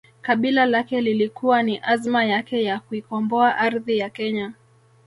Kabila lake lilikuwa ni azma yake ya kuikomboa ardhi ya kenya